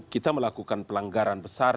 kita melakukan pelanggaran besar